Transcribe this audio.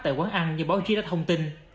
tại quán ăn như báo chí đã thông tin